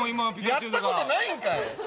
やったことないんかい。